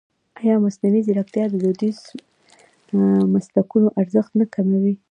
ایا مصنوعي ځیرکتیا د دودیزو مسلکونو ارزښت نه کموي؟